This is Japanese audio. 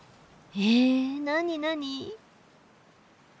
え何何？